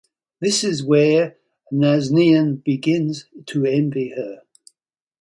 This is where Nazneen begins to envy her.